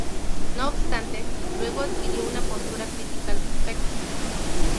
No obstante, luego adquirió una postura crítica al respecto.